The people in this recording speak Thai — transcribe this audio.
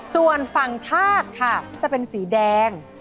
ส่วนฝั่งธาตุค่ะจะเป็นสีแดง